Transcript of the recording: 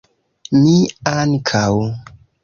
Mi ankaŭ!